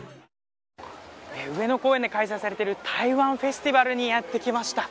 上野公園で開催されている台湾フェスティバルにやって来ました。